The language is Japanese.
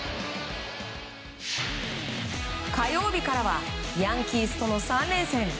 火曜日からはヤンキースとの３連戦。